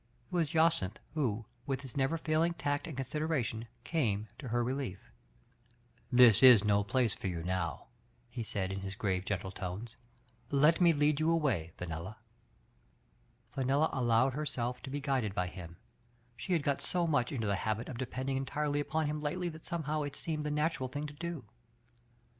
It was Jacyntb who, with his never failing tact itnd co^j^^i^bn, came to her relief. "This is no l^Uce for yQ^ niow," be s^^ i^^ |^ Digitized by Google F, ANSTEY. 3^9 grave, gentle tones. "Let me lead you away, Fenella." Fenella allowed herself to be guided by him ; she had got so much into the habit of depending entirely upon him lately that somehow it seemed the natural thing to do.